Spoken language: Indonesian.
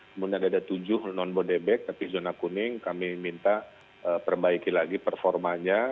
kemudian ada tujuh non bodebek tapi zona kuning kami minta perbaiki lagi performanya